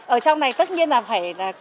ở trong này tất nhiên là phải